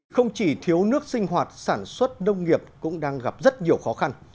không chỉ thiếu nước sinh hoạt sản xuất nông nghiệp cũng đang gặp rất nhiều khó khăn